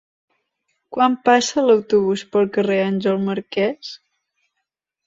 Quan passa l'autobús pel carrer Àngel Marquès?